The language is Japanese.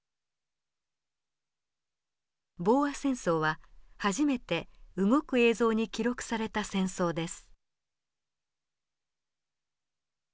ボーア戦争は初めて動く映像に記録された戦争です。